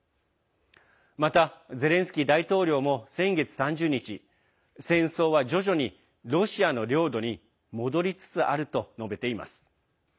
また、ゼレンスキー大統領も先月３０日戦争は、徐々にロシアの領土に戻りつつあると述べています。